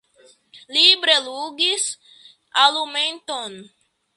Li bruligis alumeton.